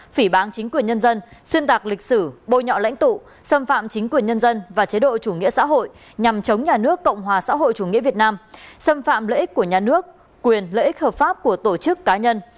phỉ bán chính quyền nhân dân xuyên tạc lịch sử bôi nhọ lãnh tụ xâm phạm chính quyền nhân dân và chế độ chủ nghĩa xã hội nhằm chống nhà nước cộng hòa xã hội chủ nghĩa việt nam xâm phạm lợi ích của nhà nước quyền lợi ích hợp pháp của tổ chức cá nhân